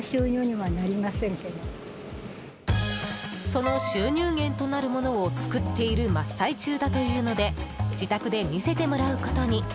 その収入源となるものを作っている真っ最中だというので自宅で見せてもらうことに。